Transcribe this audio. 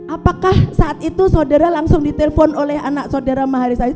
apakah saat itu saudara langsung ditelepon oleh anak saudara maharisasi